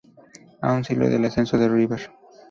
A un siglo del ascenso de River